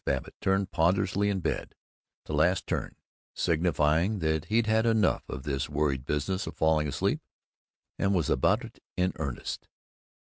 Babbitt turned ponderously in bed the last turn, signifying that he'd had enough of this worried business of falling asleep and was about it in earnest.